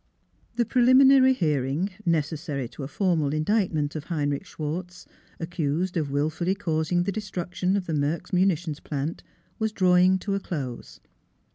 ... The preliminary hearing, necessary to a formal indictment of Heinrich Schwartz, accused of wil fully causing the destruction of the Merks Muni 338 NEIGHBORS tions Plant, was drawing to a close.